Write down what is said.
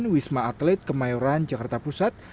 wisma atlet kemayoran jakarta pusat